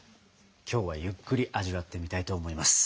今日はゆっくり味わってみたいと思います。